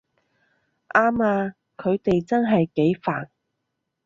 啱吖，佢哋真係幾煩